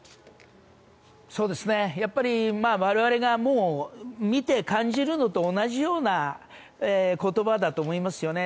我々が見て感じるのと同じような言葉だと思いますよね。